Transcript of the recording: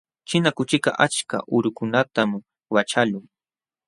Ćhina kuchikaq achka urukunatam waćhaqlun.